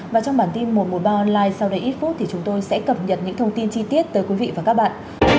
và trong bản tin một trăm một mươi ba online sau đây ít phút thì chúng tôi sẽ cập nhật những thông tin chi tiết tới quý vị và các bạn